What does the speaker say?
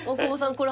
これ。